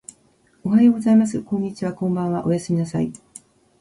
おはようございます。こんにちは。こんばんは。おやすみなさい。